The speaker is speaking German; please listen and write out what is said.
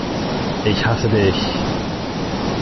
Ich hasse Dich!